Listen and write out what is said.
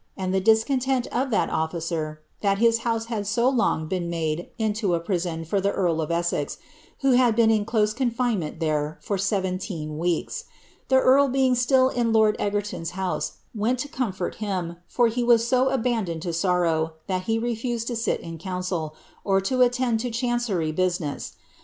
and the discontent of (hat officer that his hou^e been made into a prison for the earl of Essex, who had hna in close coufinenient there for seventeen weeks. The earl beins siiil n lord Egerton's house, went to comfort him, for he was so abandoned lo sorrow, that he refused to sit in council, or to attend lo ehancerj busi ness.